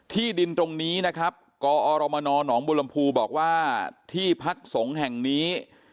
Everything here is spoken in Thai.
ที่ดินตรงนี้นะครับกอรมนหนองบุรมภูบอกว่าที่พักสงฆ์แห่งนี้